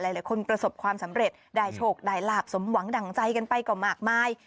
หลายคนประสบความสำเร็จได้โชคได้ลาบสมหวังดั่งใจกันไปก็มากมาย